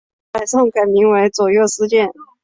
北宋改名为左右司谏。